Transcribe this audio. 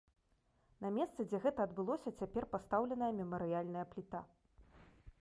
На месцы, дзе гэта адбылося, цяпер пастаўленая мемарыяльная пліта.